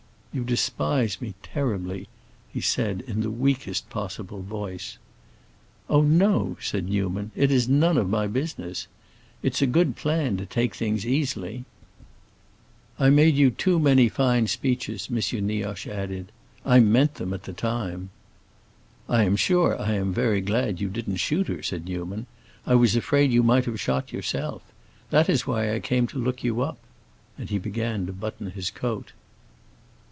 "You despise me terribly," he said, in the weakest possible voice. "Oh no," said Newman, "it is none of my business. It's a good plan to take things easily." "I made you too many fine speeches," M. Nioche added. "I meant them at the time." "I am sure I am very glad you didn't shoot her," said Newman. "I was afraid you might have shot yourself. That is why I came to look you up." And he began to button his coat.